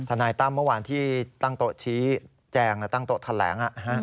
ทนายตั้มเมื่อที่ตั่งตโตะชี้แจงนะตั้งตัวตะแหลงถ้ามนเก่า